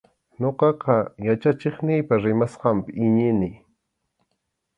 Ñuqaqa yachachiqniypa rimasqanpi iñini.